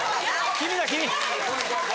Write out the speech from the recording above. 君だ君」。